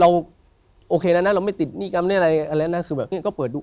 เราโอเคแล้วนะเราไม่ติดหนี้กำใช่ไหมอะไรน่ะคือแบบนี่ก็เปิดดู